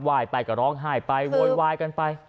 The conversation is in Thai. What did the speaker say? ยไปก็ร้องไห้ไปโวยวายกันไป